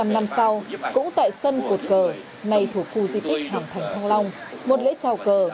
bảy mươi năm năm sau cũng tại sân cột cờ nay thuộc khu di tích hoàng thành thăng long một lễ trào cờ